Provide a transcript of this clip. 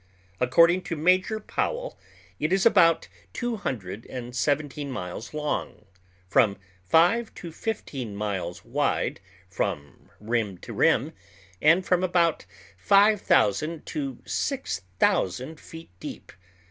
According to Major Powell, it is about two hundred and seventeen miles long, from five to fifteen miles wide from rim to rim, and from about five thousand to six thousand feet deep.